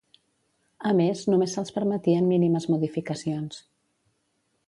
A més, només se'ls permetien mínimes modificacions.